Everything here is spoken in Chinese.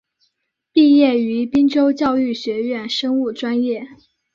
毕业于滨州教育学院生物专业。